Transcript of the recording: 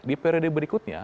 di periode berikutnya